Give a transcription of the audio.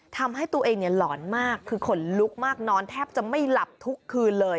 ทำให้ตัวเองหลอนมากคือขนลุกมากนอนแทบจะไม่หลับทุกคืนเลย